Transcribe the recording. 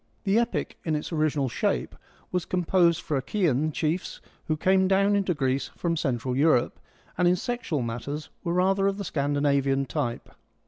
The Epic, in its original shape, was composed for the Achaean chiefs who came down into Greece from Central Europe, and in sexual matters were rather of the Scandinavian type.